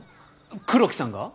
黒木さんが？